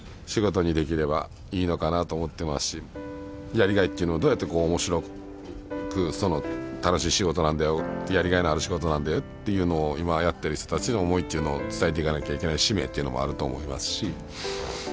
やりがいっていうのをどうやってこう面白く楽しい仕事なんだよやりがいのある仕事なんだよっていうのを今やってる人たちの思いっていうのを伝えていかなきゃいけない使命というのもあると思いますし。